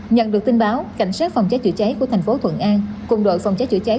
nhận được tin báo cảnh sát phòng cháy chữa cháy của thành phố thuận an cùng đội phòng cháy chữa cháy